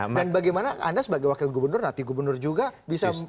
nah dan bagaimana anda sebagai wakil gubernur nanti gubernur juga bisa mengatasi ini